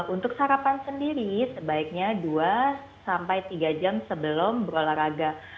untuk sarapan sendiri sebaiknya dua sampai tiga jam sebelum berolahraga